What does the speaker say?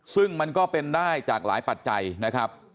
ซึ่งมันก็เป็นได้จากหลายปัจจัยนะครับ